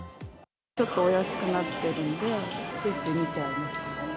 ちょっとお安くなっているんで、ついつい見ちゃいますね。